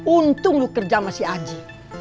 untung lu kerja sama si aji